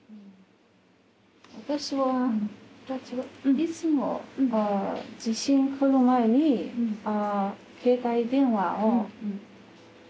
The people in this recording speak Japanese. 私はいつも地震来る前に携帯電話をお知らせ。